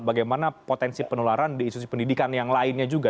bagaimana potensi penularan di institusi pendidikan yang lainnya juga